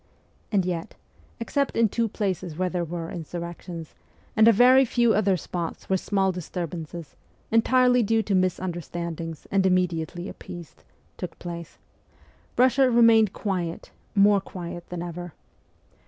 And yet except in two places where there were insurrections, and a very few other spots where small disturbances, entirely due to misunderstandings and immediately appeased, took place Russia remained quiet, more quiet than ever.